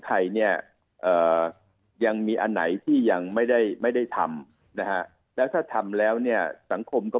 ไทยเนี่ยยังมีอันไหนที่ยังไม่ได้ไม่ได้ทำนะฮะแล้วถ้าทำแล้วเนี่ยสังคมก็